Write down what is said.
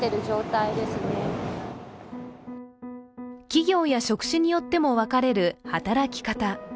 企業や職種によっても分かれる働き方。